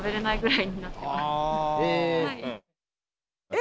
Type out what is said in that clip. え